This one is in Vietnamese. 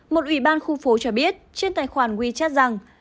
một ủy ban khu phố cho biết trên tài khoản wechat rằng